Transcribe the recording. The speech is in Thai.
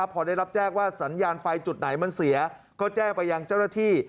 พอได้รับแจ้งว่าสัญญาณไฟจุดไหนมันเสียก็แจ้งไปยังเจ้าหน้าที่